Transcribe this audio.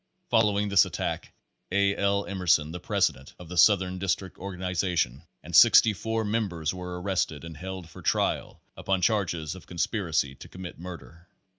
Following this attack, A. L. Emer son, the president of the southern district organization, and sixty four members were arrested and held for trial upon charges of conspiracy to commit murder.